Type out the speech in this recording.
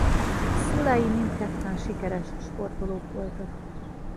Szülei mindketten sikeres sportolók voltak.